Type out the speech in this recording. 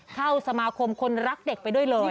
เข้าสมาคมคนรักเด็กไปด้วยเลย